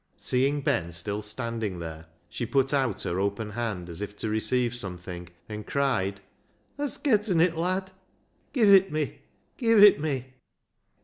Seeing Ben still standing there, she put out her open hand as if to receive something, and cried —" Hast getten it, lad ? Give it me ; give it me!"